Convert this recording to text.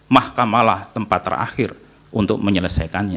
mahkamah lah tempat terakhir untuk menyelesaikannya